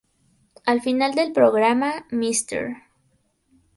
Al final del programa, Mr.